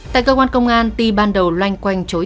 tại cơ quan công an ti ban đầu loanh quanh chối tội